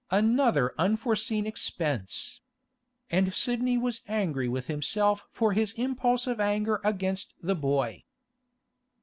Another unforeseen expense! And Sidney was angry with himself for his impulse of anger against the boy.